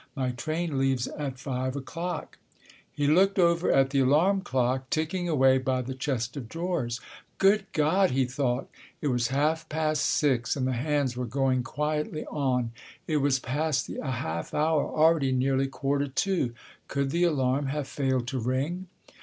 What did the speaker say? My train leaves at five o'clock." He looked over at the alarm clock ticking away by the chest of drawers. "Good God!" he thought. It was half past six, and the hands were going quietly on. It was past the half hour, already nearly quarter to. Could the alarm have failed to ring?